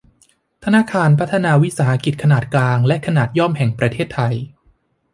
ธนาคารพัฒนาวิสาหกิจขนาดกลางและขนาดย่อมแห่งประเทศไทย